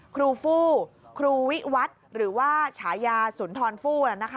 ครูฟู้ครูวิวัฒน์หรือว่าฉายาสุนทรฟู่